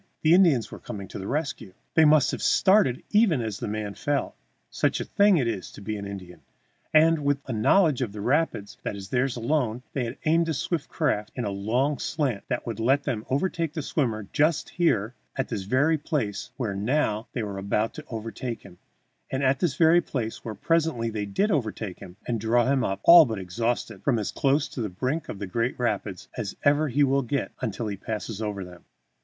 The Indians were coming to the rescue! They must have started even as the man fell, such a thing it is to be an Indian! and, with a knowledge of the rapids that is theirs alone, they had aimed the swift craft in a long slant that would let them overtake the swimmer just here, at this very place where now they were about to overtake him, at this very place where presently they did overtake him and draw him up, all but exhausted, from as close to the brink of the Great Rapids as ever he will get until he passes over them.